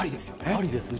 ありですね。